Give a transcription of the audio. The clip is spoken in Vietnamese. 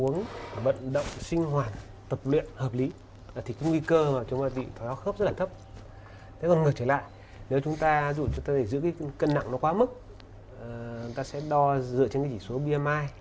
nếu cân nặng quá mức chúng ta sẽ đo dựa trên chỉ số bmi